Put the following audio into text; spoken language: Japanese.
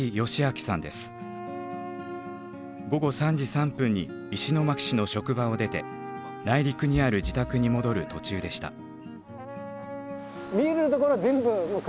午後３時３分に石巻市の職場を出て内陸にある自宅に戻る途中でした。